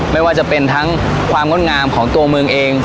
มันจะเป็นความง่วดงามของตัวเมืองเอง